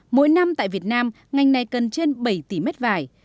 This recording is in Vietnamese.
mỗi năm tại việt nam ngành này cần trên bảy tỷ mét vải